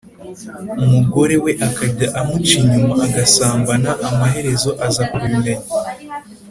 Umugore we akajya amuca inyuma agasambana amaherezo aza kubimenya